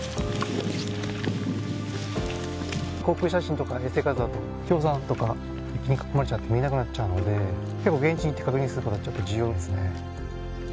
航空写真とか衛星画像だと氷山とか雪に囲まれちゃって見えなくなっちゃうので現地行って確認することが重要ですね。